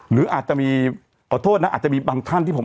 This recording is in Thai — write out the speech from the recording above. หรืออาจจะมีขอโทษนะอาจจะมีบางท่านที่ผม